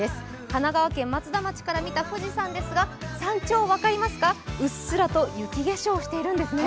神奈川県松田町から見た富士山ですが山頂分かりますか、うっすらと雪化粧しているんですね。